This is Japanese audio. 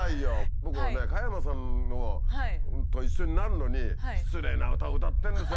僕はね加山さんと一緒になるのに失礼な歌を歌ってるんですよ